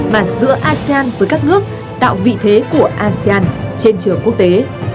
và giữa asean với các nước tạo vị thế của asean trên trường quốc tế